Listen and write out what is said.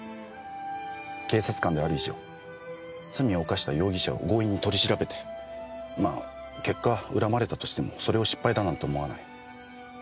警察官である以上罪を犯した容疑者を強引に取り調べてまあ結果恨まれたとしてもそれを失敗だなんて思わない。